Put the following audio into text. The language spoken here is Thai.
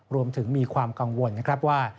รวมถึงมีความกังวลนะครับว่า